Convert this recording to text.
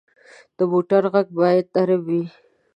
د موټر غږ باید نرم وي.